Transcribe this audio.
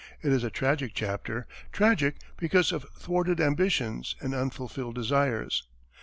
It is a tragic chapter tragic because of thwarted ambitions, and unfulfilled desires.